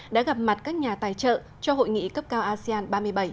đã gặp mặt các nhà tài trợ cho hội nghị cấp cao asean ba mươi bảy